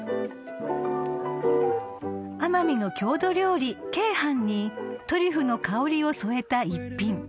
［奄美の郷土料理鶏飯にトリュフの香りを添えた一品］